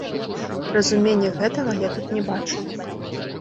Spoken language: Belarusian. Разумення гэтага я тут не бачу.